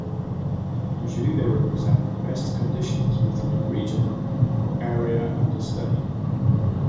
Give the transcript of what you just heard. Usually they represent the best conditions within the region or area under study.